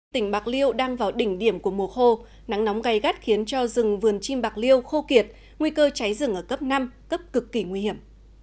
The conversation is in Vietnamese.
tỉnh bạc liêu đang vào đỉnh điểm của mùa khô nắng nóng gây gắt khiến cho rừng vườn chim bạc liêu khô kiệt nguy cơ cháy rừng ở cấp năm cấp cực kỳ nguy hiểm